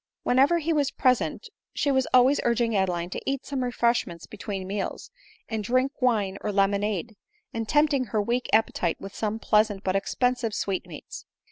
Whenever he was present she was always urging Ade line to eat some refreshments between meals, and drink wine or lemonade, and tempting her weak appetite with some pleasant but expensive sweetmeats.